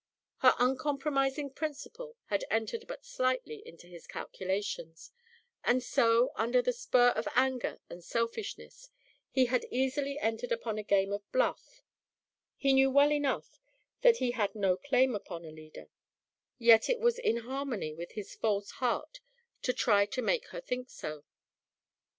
Her uncompromising principle had entered but slightly into his calculations, and so, under the spur of anger and selfishness, he had easily entered upon a game of bluff He knew well enough that he had no claim upon Alida, yet it was in harmony with his false heart to try to make her think so.